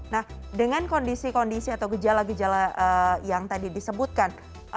nah dengan kondisi kondisi atau gejala gejala yang tadi disebutkan